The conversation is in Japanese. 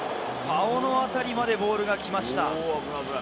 顔の辺りまでボールが来ました。